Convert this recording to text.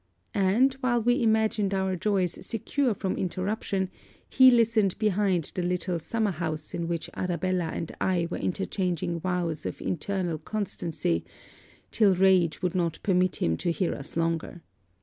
And, while we imagined our joys secure from interruption, he listened behind the little summer house in which Arabella and I were interchanging vows of eternal constancy, till rage would not permit him to hear us longer.